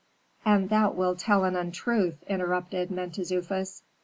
"And thou wilt tell an untruth," interrupted Mentezufis.